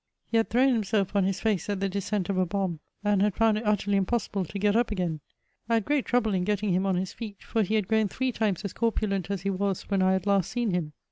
He had thrown himself on his fiice at the descent of a bomb, and had found it utterly impossible to get up again ; I had great trouble in getting nim on his feet, for he had grown three times as corpulent as he was when I had last seen him.